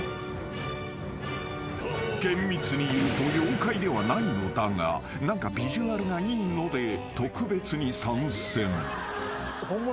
［厳密にいうと妖怪ではないのだが何かビジュアルがいいので特別に参戦］